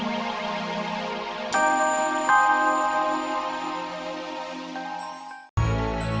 jangan pak landung